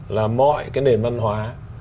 là mọi cái nền văn hóa